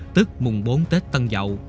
tức mùng bốn tết tân dậu